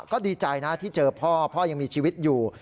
ก็ดีใจนะที่เจอพ่อพ่อยังมีชีวิตอยู่